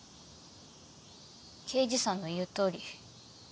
刑事さんの言うとおり。